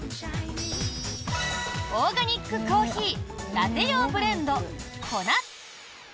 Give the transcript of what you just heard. オーガニックコーヒーラテ用ブレンド粉。